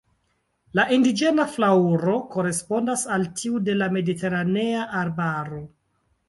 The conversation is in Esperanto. La indiĝena flaŭro korespondas al tiu de la mediteranea arbaro.